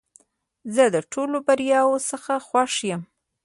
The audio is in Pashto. زه د ټولو بریاوو څخه خوښ یم .